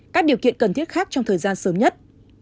các điều kiện cần thiết khác trong thời gian sớm nhất